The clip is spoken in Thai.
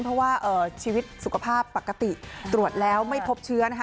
เพราะว่าชีวิตสุขภาพปกติตรวจแล้วไม่พบเชื้อนะคะ